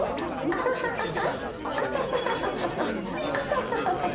アハハハハハ。